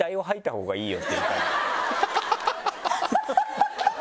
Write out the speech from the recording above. ハハハハ！